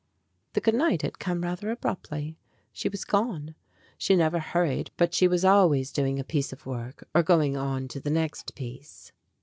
The good night had come rather abruptly. She was gone. She never hurried, but she was always doing a piece of work or going on to the next piece.